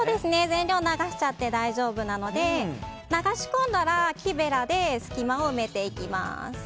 全量流しちゃって大丈夫なので流し込んだら木べらで隙間を埋めていきます。